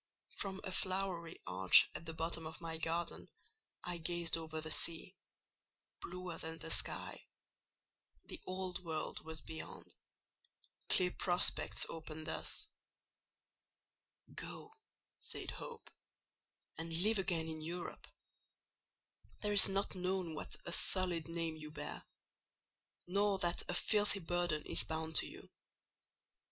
From a flowery arch at the bottom of my garden I gazed over the sea—bluer than the sky: the old world was beyond; clear prospects opened thus:— "'Go,' said Hope, 'and live again in Europe: there it is not known what a sullied name you bear, nor what a filthy burden is bound to you.